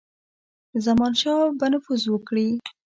زمانشاه به نفوذ وکړي.